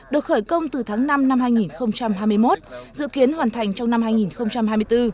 được khởi công từ tháng năm năm hai nghìn hai mươi một dự kiến hoàn thành trong năm hai nghìn hai mươi bốn